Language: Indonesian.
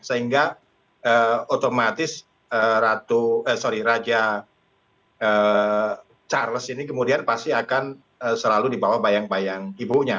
sehingga otomatis charles ini kemudian pasti akan selalu dibawa bayang bayang ibunya